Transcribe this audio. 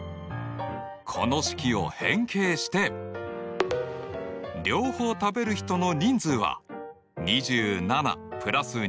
この式を変形して両方食べる人の人数は２７＋２５−３９だ。